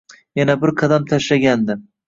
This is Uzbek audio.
Yana bir qadam tashlagandi.